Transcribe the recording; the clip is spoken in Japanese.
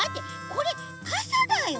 これかさだよ。